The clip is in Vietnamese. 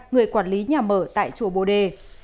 người quản lý nhà mở tại chùa bồ đề